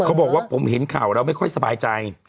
เขาบอกว่าผมเห็นข่าวแล้วไม่ค่อยสบายใจ